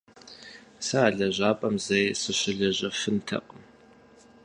Сэ а лэжьапӏэм зэи сыщылэжьэфынтэкъым.